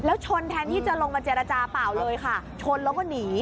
แล้วชนแทนที่จะลงมาเจรจาเปล่าเลยค่ะชนแล้วก็หนี